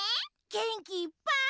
げんきいっぱい。